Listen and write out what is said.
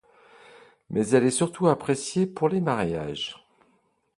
Mais elle est surtout appréciée pour les mariages.